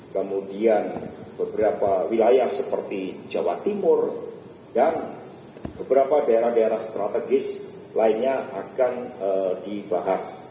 kemudian beberapa wilayah seperti jawa timur dan beberapa daerah daerah strategis lainnya akan dibahas